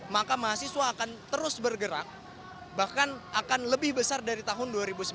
maka mahasiswa akan terus bergerak bahkan akan lebih besar dari tahun dua ribu sembilan belas